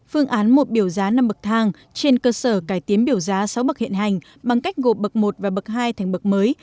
phương án một biểu giá năm bậc thang trên cơ sở cải tiến biểu giá sáu bậc hiện hành bằng cách gộp bậc một và bậc hai thành bậc mới